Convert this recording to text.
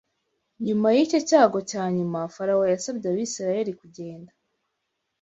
Nyuma y’icyo cyago cya nyuma Farawo yasabye Abisirayeli kugenda